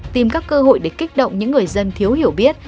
tìm các cơ hội để kích động những người dân thiếu hiểu biết